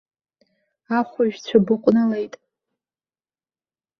Ахәажәцәа быҟәнылеит.